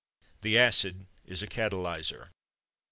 The acid is a catalyzer.